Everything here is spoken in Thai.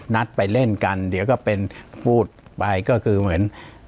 นัดไปเล่นกันเดี๋ยวก็เป็นพูดไปก็คือเหมือน